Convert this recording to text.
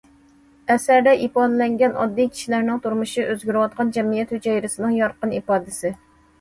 ئەسەردە ئىپادىلەنگەن ئاددىي كىشىلەرنىڭ تۇرمۇشى ئۆزگىرىۋاتقان جەمئىيەت ھۈجەيرىسىنىڭ يارقىن ئىپادىسى.